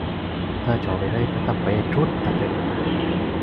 ถ้าชอบอะไรก็ทำไปให้สุด